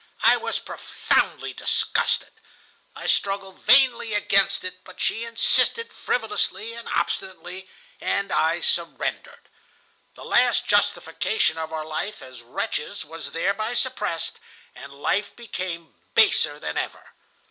I was profoundly disgusted. I struggled vainly against it, but she insisted frivolously and obstinately, and I surrendered. The last justification of our life as wretches was thereby suppressed, and life became baser than ever.